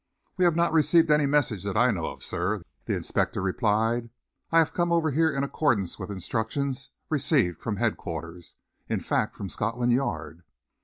"We have not received any message that I know of, sir," the inspector replied. "I have come over here in accordance with instructions received from headquarters in fact from Scotland Yard."